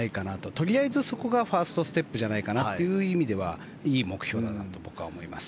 とりあえず、そこがファーストステップじゃないかなという意味ではいい目標だなと僕は思います。